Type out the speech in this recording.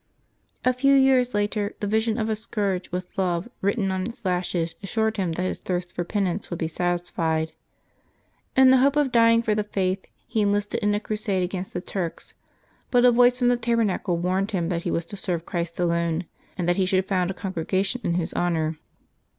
A few years later, the vision of a scourge with "love" written on its lashes assured him that his thirst for penance would be satisfied. In the hope of dying for the faith, he enlisted in a crusade against the Turks ; but a voice from the Tabernacle warned him that he was to serve Christ alone, and that he should found a congregation in His honor.